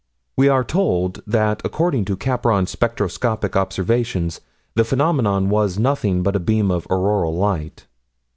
We are told that according to Capron's spectroscopic observations the phenomenon was nothing but a beam of auroral light.